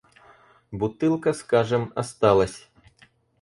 Бутылка, скажем, осталась.